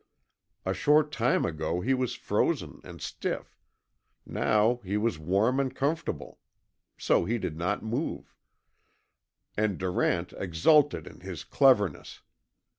A short time ago he was frozen and stiff. Now he was warm and comfortable. So he did not move. And Durant exulted in his cleverness.